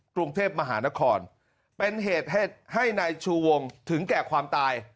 กรุงเทพมหานครเป็นเหตุให้นายชูวงถึงแก่ความตาย